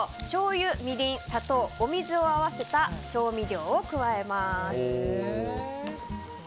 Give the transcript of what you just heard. しょうゆ、みりん、砂糖お水を合わせた調味料を加えます。